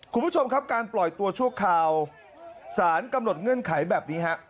คุณผู้ชมครับการปล่อยตัวชั่วคราวสารกำหนดเงื่อนไขแบบนี้ฮะ